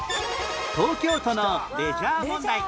東京都のレジャー問題